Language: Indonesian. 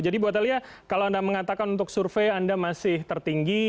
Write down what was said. jadi bu atalia kalau anda mengatakan untuk survei anda masih tertinggi